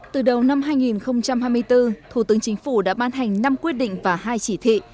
từ đầu năm hai nghìn hai mươi bốn thủ tướng chính phủ đã ban hành năm quyết định và hai chỉ thị